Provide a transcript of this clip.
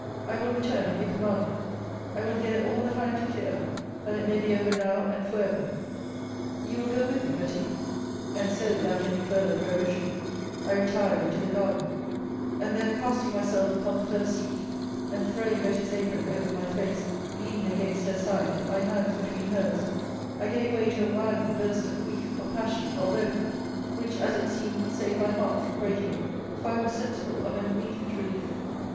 I will return, if you command it. I will hear all that I am to hear; that it may be over now and for ever. You will go with me, Betty? And so, without any farther prohibition, I retired into the garden; and there casting myself upon the first seat, and throwing Betty's apron over my face, leaning against her side, my hands between hers, I gave way to a violent burst of grief, or passion, or both; which, as it seemed, saved my heart from breaking, for I was sensible of an immediate relief.